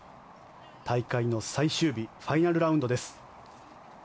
大会の最終日ファイナルラウンドです。